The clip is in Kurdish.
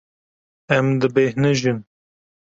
Ew dibêhnijin.